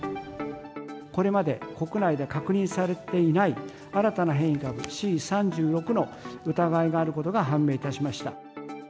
これまで国内で確認されていない新たな変異株、Ｃ３６の疑いがあることが判明いたしました。